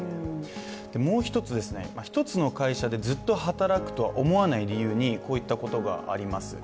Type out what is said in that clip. もう一つ、１つの会社でずっと働くとは思わない理由に、こういったことがあります。